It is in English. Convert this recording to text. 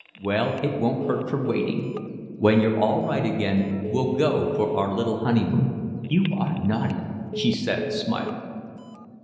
"Well, it won't hurt for waiting. When you're all right again we'll go for our little honeymoon." "You are naughty," she said, smiling.